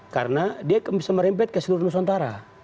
karena dia bisa merempet ke seluruh nusantara